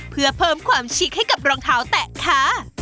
เพื่อเพิ่มความชิคให้กับรองเท้าแตะค่ะ